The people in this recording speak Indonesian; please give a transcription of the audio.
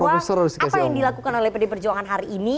apa yang dilakukan oleh pd perjuangan hari ini